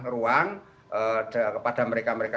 ruang kepada mereka pemerintah